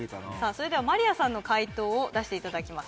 それではマリアさんの解答を出していただきます